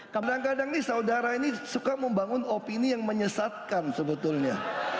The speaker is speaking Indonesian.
kadang kadang nih saudara ini suka membangun opini yang menyesatkan sebetulnya